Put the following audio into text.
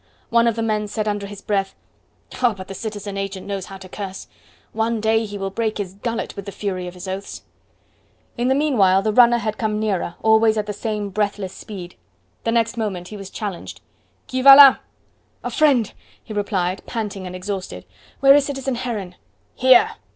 One of the men said under his breath: "Ah! but the citizen agent knows how to curse! One day he will break his gullet with the fury of his oaths." In the meanwhile the runner had come nearer, always at the same breathless speed. The next moment he was challenged: "Qui va la?" "A friend!" he replied, panting and exhausted. "Where is citizen Heron?" "Here!"